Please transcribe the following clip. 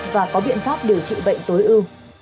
và có biện pháp điều trị bệnh tối ư